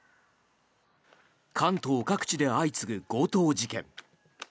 関東各地で相次ぐ強盗事件。